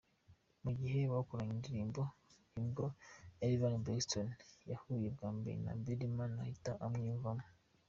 Mu gihe bakoranye indirimbo, nibwo Evelyn Braxton yahuye bwa mbere na Birdman ahita amwiyumvamo.